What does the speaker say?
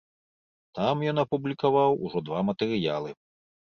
Там ён апублікаваў ужо два матэрыялы.